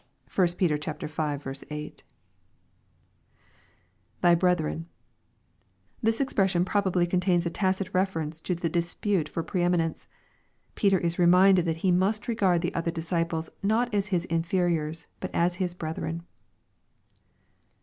(1 Pet. v. 8.) [Thy brethren.] This expression probably contains a tacit refer ence to the dispute for pre eminence. Peter is reminded that he must regard the other disciples, not as his inferiors, but as hia " brethren."